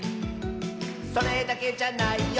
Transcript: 「それだけじゃないよ」